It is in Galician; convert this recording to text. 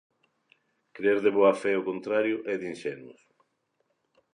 Crer de boa fe o contrario é de inxenuos.